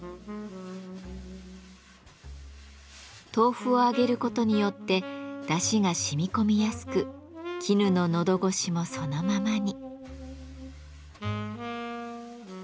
豆腐を揚げることによってだしがしみ込みやすく絹ののど越しもそのままに。